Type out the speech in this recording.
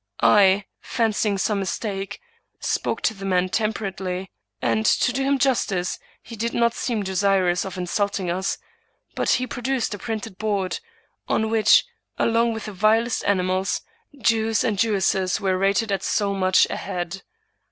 I, fancying some mistake, spoke to the man temperately, and, to do him justice, he did not seem desirous of insulting us ; but he produced a printed board, on which, along with the vilest animals, Jews and Jewesses were rated at so much a head.